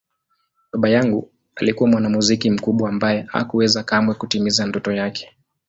Baba yangu alikuwa mwanamuziki mkubwa ambaye hakuweza kamwe kutimiza ndoto yake.